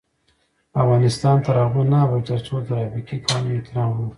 افغانستان تر هغو نه ابادیږي، ترڅو د ترافیکي قوانینو احترام ونکړو.